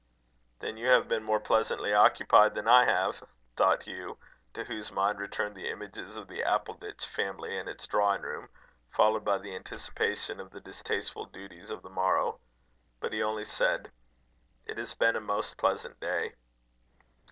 "Then you have been more pleasantly occupied than I have," thought Hugh, to whose mind returned the images of the Appleditch family and its drawing room, followed by the anticipation of the distasteful duties of the morrow. But he only said: "It has been a most pleasant day."